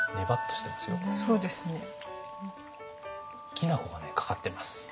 きな粉がねかかってます。